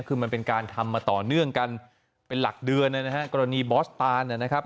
คือมันเป็นการทำมาต่อเนื่องกันเป็นหลักเดือนนะฮะกรณีบอสตานนะครับ